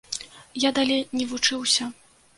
Я далей не вучыўся.